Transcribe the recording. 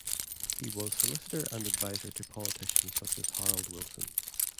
He was solicitor and advisor to politicians such as Harold Wilson.